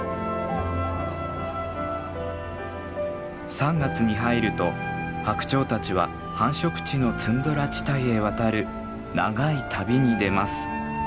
３月に入るとハクチョウたちは繁殖地のツンドラ地帯へ渡る長い旅に出ます。